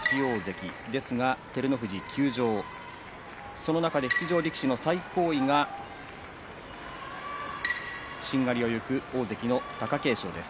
その中で出場力士の最高位がしんがりを行く大関の貴景勝です。